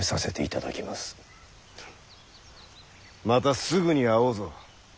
またすぐに会おうぞ。